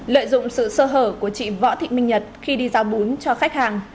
lợi dụng sự sơ hở của chị võ thị minh nhật khi đi giao bún cho khách hàng